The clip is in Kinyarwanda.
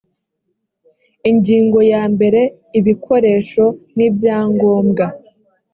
ingingo yambere ibikoresho n ibyangombwa